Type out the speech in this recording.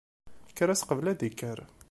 Kker-as qebl ad d-ikker.